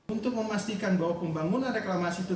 untuk memastikan bahwa pembangunan reklamasi itu